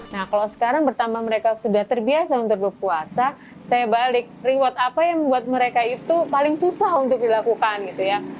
nah kalau sekarang pertama mereka sudah terbiasa untuk berpuasa saya balik reward apa yang membuat mereka itu paling susah untuk dilakukan gitu ya